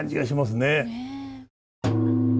ねえ。